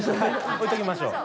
置いておきましょう。